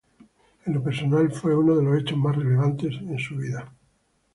En lo personal fue uno de los hechos más relevantes en su vida.